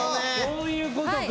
そういうことか。